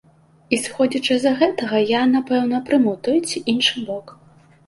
І сыходзячы з гэтага я, напэўна, прымаў той ці іншы бок.